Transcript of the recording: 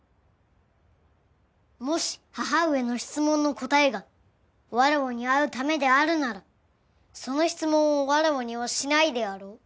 もし母親の質問の答えが「わらわに会うため」であるならその質問をわらわにはしないであろう？